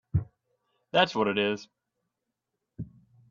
That’s what it is!